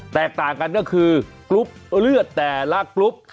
แตกต่างกันก็คือกรุ๊ปเลือดแต่ละกรุ๊ป